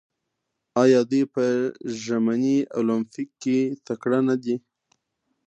آیا دوی په ژمني المپیک کې تکړه نه دي؟